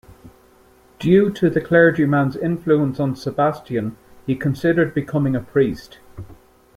Due to the clergyman's influence on Sebastian, he considered becoming a priest.